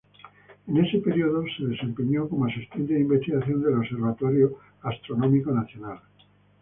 En ese período se desempeñó como asistente de investigación del Observatorio Astronómico Nacional.